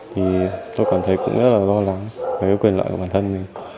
thì tôi cảm thấy cũng rất là lo lắng về cái quyền lợi của bản thân mình